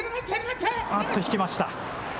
あっと引きました。